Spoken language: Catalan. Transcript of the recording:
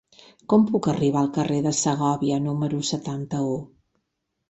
Com puc arribar al carrer de Segòvia número setanta-u?